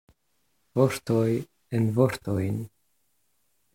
Vortoj en vortojn.